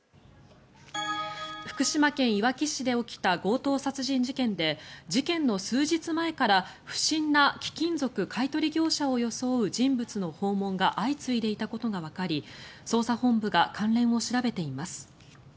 福島県いわき市で起きた強盗殺人事件で事件の数日前から不審な貴金属買い取り業者を装う人物の訪問が相次いでいたことがわかり捜査本部が関連を調べています。